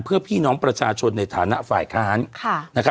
เพื่อพี่น้องประชาชนในฐานะฝ่ายค้าน